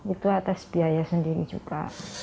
itu atas biaya sendiri juga